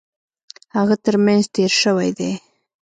هغه ترمېنځ تېر شوی دی.